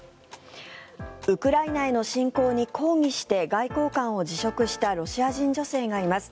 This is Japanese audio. ウクライナへの侵攻に抗議して外交官を辞職したロシア人女性がいます。